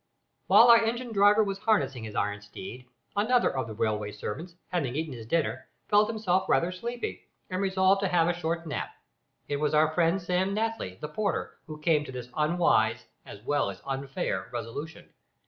While our engine driver was harnessing his iron steed, another of the railway servants, having eaten his dinner, felt himself rather sleepy, and resolved to have a short nap. It was our friend Sam Natly, the porter, who came to this unwise as well as unfair resolution.